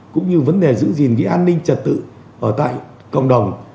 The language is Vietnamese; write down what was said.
cũng như vấn đề giữ gìn cái an ninh trật tự ở tại cộng đồng